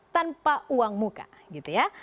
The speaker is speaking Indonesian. tanpa uang muka gitu ya